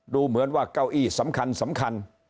ดูเหมือนว่าเก้าอี้สำคัญสำคัญ